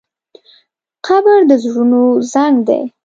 قبر د زړونو زنګ دی.